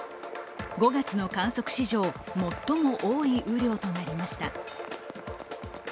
５月の観測史上最も多い雨量となりました。